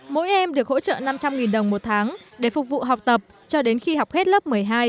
mỗi em được hỗ trợ năm trăm linh đồng một tháng để phục vụ học tập cho đến khi học hết lớp một mươi hai